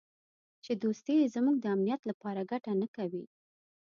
چې دوستي یې زموږ د امنیت لپاره ګټه نه کوي.